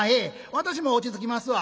私も落ち着きますわ。